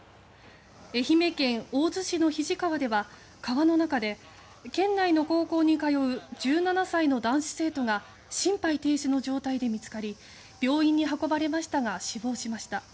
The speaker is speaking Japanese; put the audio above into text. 愛媛県大洲市の肱川では川の中で県内の高校に通う１７歳の男子生徒が心肺停止の状態で見つかり病院に運ばれましたが死亡しました。